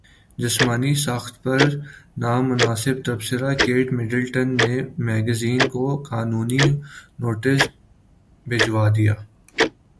جسمانی ساخت پر نامناسب تبصرہ کیٹ مڈلٹن نے میگزین کو قانونی نوٹس بھجوادیا